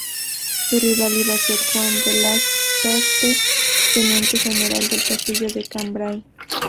Su rival iba a ser Juan de Lasarte, teniente general del castillo de Cambrai.